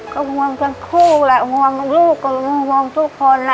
ก็ห่วงทั้งคู่แหละห่วงลูกก็ห่วงทุกคนแหละ